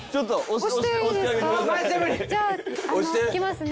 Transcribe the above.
じゃああのいきますね。